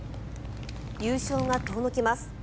優勝が遠のきます。